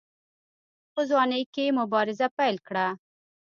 په ځوانۍ کې یې مبارزه پیل کړه.